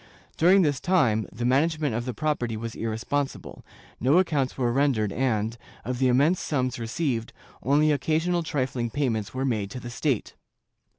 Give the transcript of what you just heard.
During this time the management of the property was irresponsible ; no accounts were rendered and, of the immense sums received, only occasional trifling payments were made to the state.